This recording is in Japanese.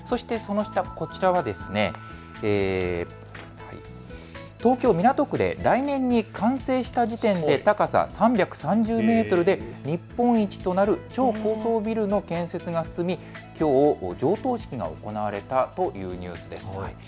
こちらは東京港区で来年完成する高さ３３０メートルで日本一となる超高層ビルの建設が進みきょうは上棟式が行われたというニュースです。